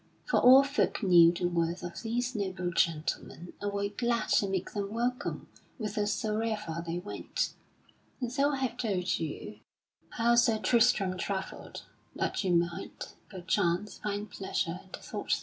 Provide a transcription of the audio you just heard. For all folk knew the worth of these noble gentlemen and were glad to make them welcome whithersoever they went. And so I have told to you how Sir Tristram travelled, that you might, perchance, find pleasure in the thought thereof.